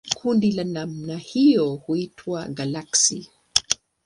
Kundi la namna hiyo huitwa galaksi.